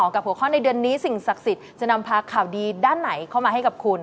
กับหัวข้อในเดือนนี้สิ่งศักดิ์สิทธิ์จะนำพาข่าวดีด้านไหนเข้ามาให้กับคุณ